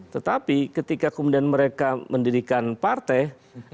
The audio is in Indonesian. tetapi ketika kemudian mereka mendirikan partai